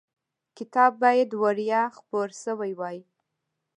کتاب باید وړیا خپور شوی وای.